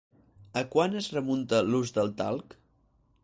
A quant es remunta l'ús del talc?